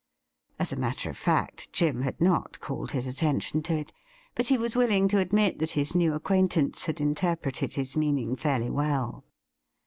As a matter of fact, Jim had not called his attention to it, but he was willing to admit that his new acquaintance had interpreted his meaning fairly well.